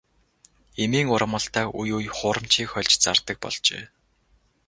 Эмийн ургамалдаа үе үе хуурамчийг хольж зардаг болжээ.